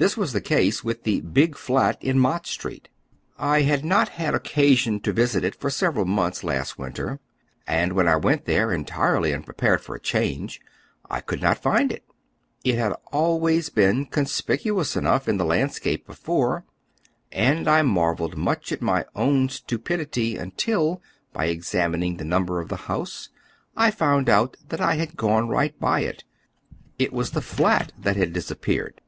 Tliat was the case with the "Big Fiat" in Mott Street. I had not had occasion to visit it for several months last winter, and when I went there, entirely unprepared for a change, I cx)uld not find it. It had always been coTispicuons enough in the landscape be fore, and I marvelled miich at my own stupidity until, by examining the number of the house, I found out that I had gone right. It was the " fiat " that had disappeared.